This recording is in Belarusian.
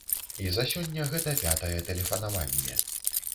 І за сёння гэта пятае тэлефанаванне.